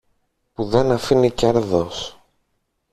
που δεν αφήνει κέρδος.